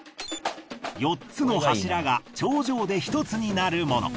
４つの柱が頂上で１つになるもの。